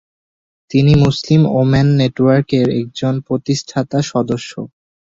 তিনি "Muslim women network" এর একজন প্রতিষ্ঠাতা সদস্য।